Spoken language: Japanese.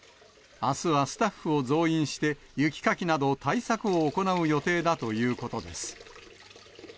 あすはスタッフを増員して、雪かきなど対策を行う予定だということです。